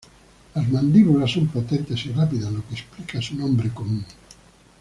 Las mandíbulas son potentes y rápidas, lo que explica su nombre común.